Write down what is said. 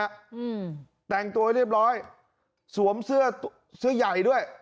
อืมแต่งตัวให้เรียบร้อยสวมเสื้อเสื้อใหญ่ด้วย